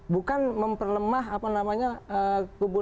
bukan memperlemah apa namanya kubu